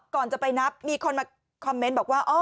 ก่อนจะไปนับมีคนมาคอมเมนต์บอกว่า